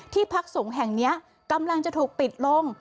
พักสงฆ์แห่งนี้กำลังจะถูกปิดลง